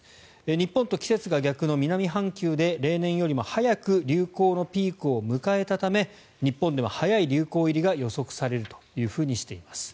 日本と季節が逆の南半球で例年よりも早く流行のピークを迎えたため日本でも早い流行入りが予測されるとしています。